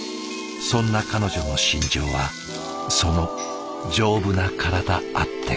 そんな彼女の信条はその丈夫な体あってこそ。